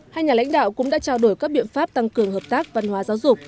hai nhà lãnh đạo cũng đã trao đổi các biện pháp tăng cường hợp tác văn hóa giáo dục